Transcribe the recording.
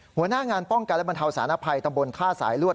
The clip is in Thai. หัวหน้างานป้องกันและบรรเทาสารภัยตำบลท่าสายลวด